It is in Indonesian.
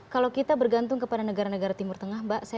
kalau kita bergantung kepada negara negara timur tengah mbak